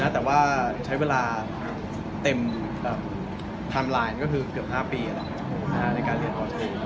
แต่ว่าใช้เวลาเต็มไทม์ไลน์ก็คือเกือบ๕ปีในการเรียนออนไลน์